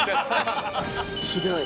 ひどい。